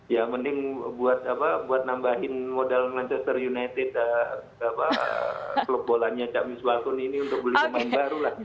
ya mending buat nambahin modal manchester united klub bolanya cak miswakun ini untuk beli pemain baru lah